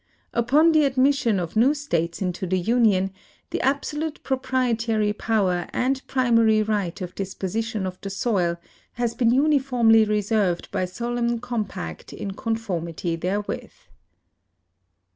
Upon the admission of new states into the Union, the absolute proi)rietary power and primary right of disposition of the soil has been uni formly reserved by solemn compact in conformity therewith.